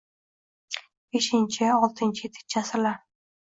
Beshinchi, oltinchi, ettinchi asrlar